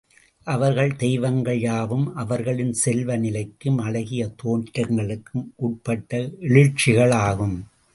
அவர்கள் தெய்வங்கள் யாவும், அவர்களின் செல்வ நிலைக்கும் அழகிய தோற்றங்களுக்கும் உட்பட்ட எழுச்சிகளாகும்.